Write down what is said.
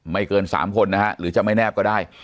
เกิน๓คนนะฮะหรือจะไม่แนบก็ได้